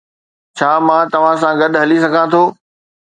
ڇا مان توهان سان گڏ هلي سگهان ٿو